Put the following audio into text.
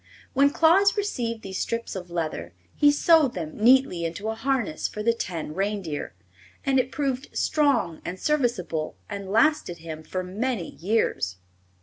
When Claus received these strips of leather he sewed them neatly into a harness for the ten reindeer, and it proved strong and serviceable and lasted him for many years.